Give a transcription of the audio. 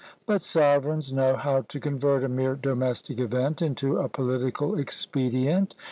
But sovereigns know how to convert a mere domestic event into a political expedient.